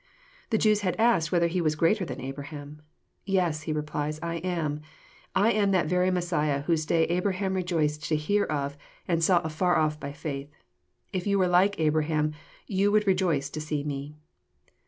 The Jews had asked whether he was greater than Abraham? "Yes," he replies, *' I am. I am that very Messiah whose day Abraham rejoiced to hear of, and saw afar off by faith. If you were like Abraham yon would rejoice to see Me."